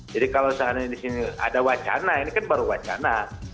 jadi kalau saat ini di sini ada wacana ini kan baru wacana